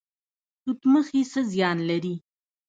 توت مخي څه زیان لري؟